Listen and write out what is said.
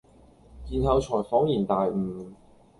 然後才仿然大悟。